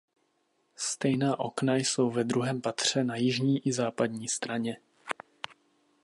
Stejná okna jsou ve druhém patře na jižní i západní straně.